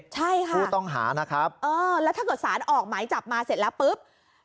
ใช่ค่ะผู้ต้องหานะครับเออแล้วถ้าเกิดสารออกหมายจับมาเสร็จแล้วปุ๊บ